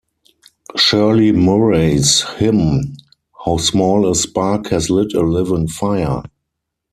Shirley Murray's hymn How small a spark has lit a living fire!